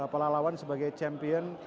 pelawan sebagai champion